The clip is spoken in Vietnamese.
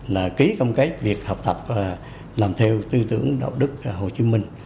là ký công kết việc học tập và làm theo tư tưởng đạo đức hồ chí minh